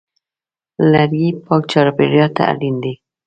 لرګی پاک چاپېریال ته اړین دی.